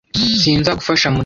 Sinzagufasha muri ibi.